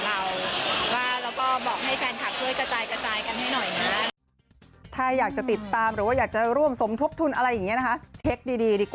แล้วพอเราบอกว่าขอความร่วมมือไม่ทำได้ไหม